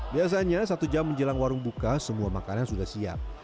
biasanya satu jam menjelang warung buka semua makanan sudah siap